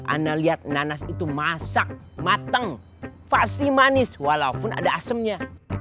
anda lihat nanas itu masak mateng pasti manis walaupun ada asemnya